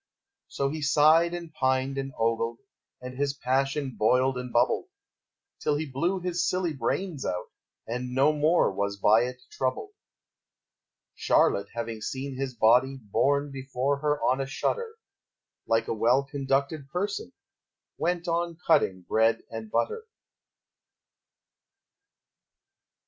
So he sighed and pined and ogled, And his passion boiled and bubbled, Till he blew his silly brains out, And no more was by it troubled. Charlotte, having seen his body Borne before her on a shutter, Like a well conducted person, Went on cutting bread and butter.